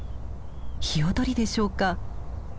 ヒヨドリでしょうか？